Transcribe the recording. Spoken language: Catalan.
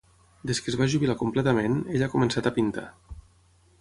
Des que es va jubilar completament, ell ha començat a pintar.